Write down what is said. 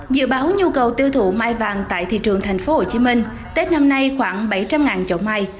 dự báo nhu cầu tiêu thụ mai vàng tại thị trường thành phố hồ chí minh tết năm nay khoảng bảy trăm linh trồng mai